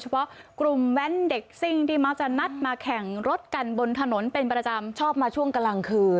เพราะกลุ่มแว้นเด็กซิ่งที่มักจะนัดมาแข่งรถกันบนถนนเป็นประจำชอบมาช่วงกลางคืน